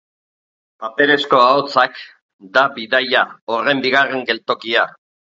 Paperezko ahotsak da bidaia horren bigarren geltokia.